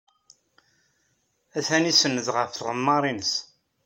Atan isenned ɣef tɣemmar-nnes.